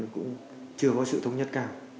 cũng chưa có sự thống nhất cao